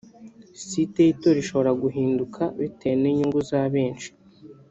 site y’itora ishobora guhinduka bitewe n’inyungu za benshi